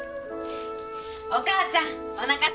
お母ちゃんおなかすいた。